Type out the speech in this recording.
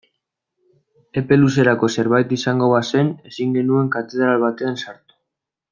Epe luzerako zerbait izango bazen ezin genuen katedral batean sartu.